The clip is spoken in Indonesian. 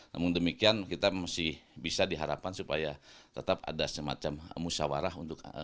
namun demikian kita masih bisa diharapkan supaya tetap ada semacam musyawarah untuk